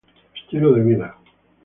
Estilo de vida.